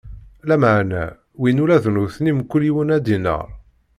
Lameɛna wwin ula d nutni, mkul yiwen, adinaṛ.